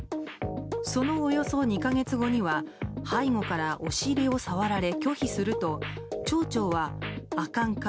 そのおよそ２か月後には背後からお尻を触られ拒否すると町長は、あかんか。